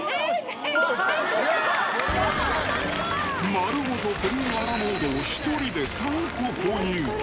丸ごとプリンアラモードを１人で３個購入。